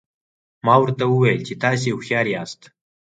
ما ورته وویل چې تاسي هوښیار یاست.